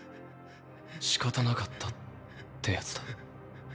「仕方なかった」ってやつだ。